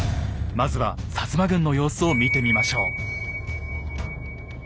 まずは摩軍の様子を見てみましょう。